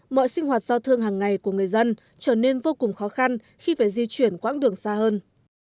mọi sinh hoạt giao thương hàng ngày của người dân trở nên vô cùng khó khăn khi phải di chuyển quãng đường xa hơn